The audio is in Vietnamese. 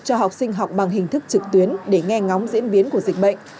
cho học sinh học bằng hình thức trực tuyến để nghe ngóng diễn biến của dịch bệnh